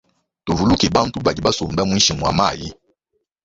Tuvuluke bantu badi basomba mwinshi mwa mayi.